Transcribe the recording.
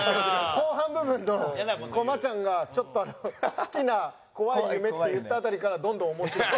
後半部分の駒ちゃんがちょっと「好きな怖い夢」って言った辺りからどんどん面白く。